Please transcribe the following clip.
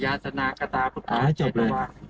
อยาศนากฎาไม่ตายเผ็ดหวา